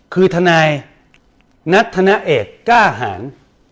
คือทนายนัทธนเอกกล้าหาร